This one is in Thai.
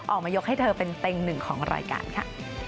ออกมายกให้เธอเป็นเต็งหนึ่งของรายการค่ะ